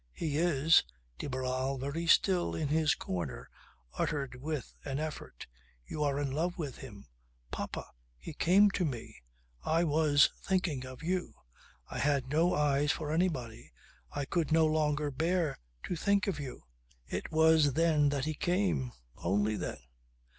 He is ..." De Barral very still in his corner uttered with an effort "You are in love with him." "Papa! He came to me. I was thinking of you. I had no eyes for anybody. I could no longer bear to think of you. It was then that he came. Only then.